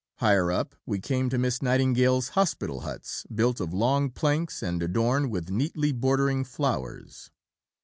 Higher up we came to Miss Nightingale's hospital huts, built of long planks, and adorned with neatly bordering flowers.